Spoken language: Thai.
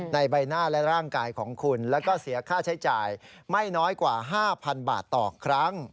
ใบหน้าและร่างกายของคุณแล้วก็เสียค่าใช้จ่ายไม่น้อยกว่า๕๐๐๐บาทต่อครั้ง